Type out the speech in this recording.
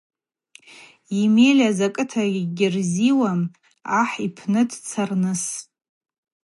Емеля закӏытагьи йгьырзиуам ахӏ йпны дцарныс.